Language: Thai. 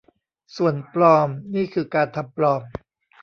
ส่วน ปลอม นี่คือการทำปลอม